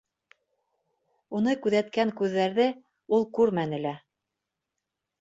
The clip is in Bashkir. Уны күҙәткән күҙҙәрҙе ул күрмәне лә.